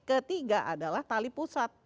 ketiga adalah tali pusat